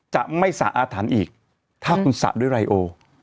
จะไม่สะอาถรรพ์อีกถ้าคุณสระด้วยไรโอ